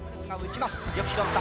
よく拾った。